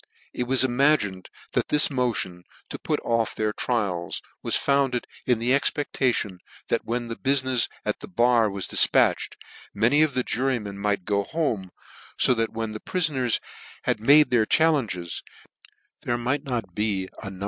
It was imagined that this motion to put off their trials was founded in the expectation that when the bufmefs at the nifi prius bar was difpatched, many of the jurymen might go home, to that when the ppfuncrs had made their challenge's, there might not be a num.